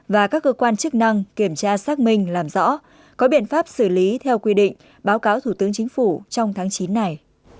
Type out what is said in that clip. và các cơ quan chức năng kiểm tra xác minh làm rõ có biện pháp xử lý theo quy định báo cáo thủ tướng chính phủ trong tháng chín này